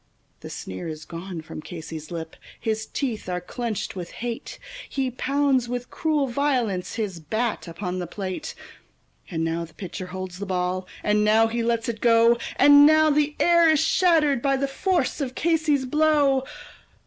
The sneer is gone from Casey's lip, his teeth are clenched with hate; He pounds with cruel violence his bat upon the plate; And now the pitcher holds the ball, and now he lets it go, And now the air is shattered by the force of Casey's blow.